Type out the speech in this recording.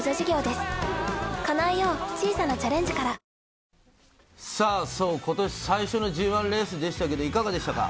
勝利を今年最初のＧ１レースでしたけどいかがでしたか？